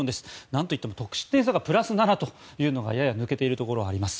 何といっても得失点差がプラス７というのがやや抜けているところがあります。